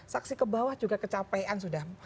saksi ke bawah juga kecapean sudah